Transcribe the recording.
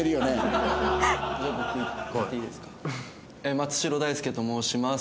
松代大介と申します。